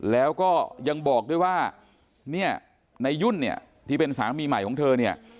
แล้วก็ยังบอกด้วยว่าเนี่ยในยุ่นเนี่ยที่เป็นสามีใหม่ของเธอเนี่ย